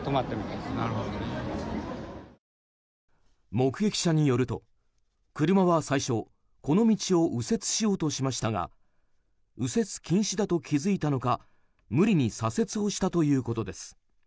目撃者によると、車は最初この道を右折しようとしましたが右折禁止だと気づいたのか無理に左折をしたということです。